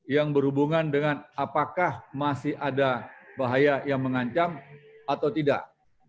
yang berhubungan dengan apakah masih ada bahaya yang mengancam atau tidak